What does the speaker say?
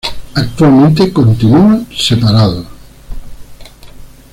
Actualmente continúan separados.